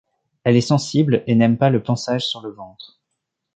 Elle est sensible, et n'aime pas le pansage sur le ventre.